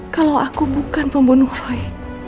kalau aku bukan pembunuh voi